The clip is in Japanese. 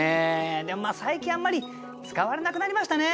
でも最近あんまり使われなくなりましたね。